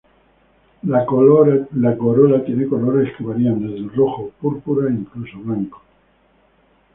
La corola tiene colores que varían desde el rojo, púrpura e incluso blanco.